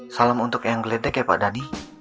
salam untuk eyang gledek ya pak dhani